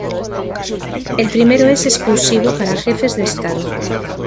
El primero es exclusivo para jefes de Estado.